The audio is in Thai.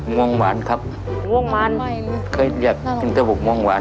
มะม่วงหวานครับมะม่วงมันคืออยากกินสะบวกมะม่วงหวาน